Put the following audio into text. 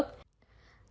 chỉ nhích được từng bước